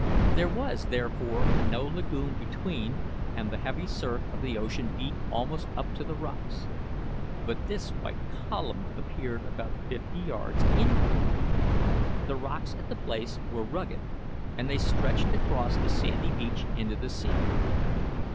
There was, therefore, no lagoon between, and the heavy surf of the ocean beat almost up to the rocks. But this white column appeared about fifty yards inland. The rocks at the place were rugged, and they stretched across the sandy beach into the sea.